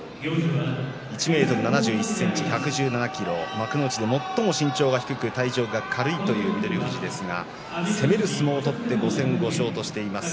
１ｍ７１ｃｍ１１７ｋｇ幕内で最も身長が低く体重が軽いという翠富士ですが攻める相撲を取って５戦５勝としています。